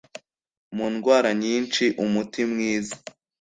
Mu ndwara nyinshi, umuti mwiza